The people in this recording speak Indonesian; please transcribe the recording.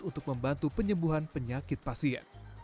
untuk membantu penyembuhan penyakit pasien